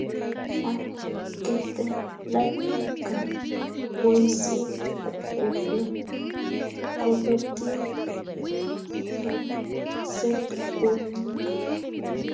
Ak keete robinikap boisiet ak ebb let kobetyin sokset kwonyik